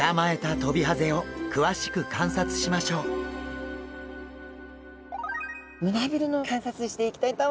胸びれの観察していきたいと思います。